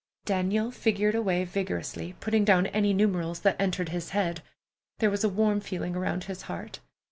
Daniel figured away vigorously, putting down any numerals that entered his head. There was a warm feeling around his heart.